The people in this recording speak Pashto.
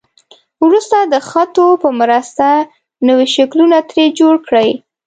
وروسته د خطو په مرسته نوي شکلونه ترې جوړ کړئ.